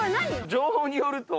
情報によると。